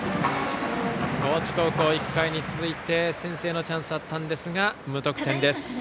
高知高校、１回に続いて先制のチャンスだったんですが無得点です。